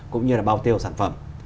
cũng như bao tiêu sản phẩm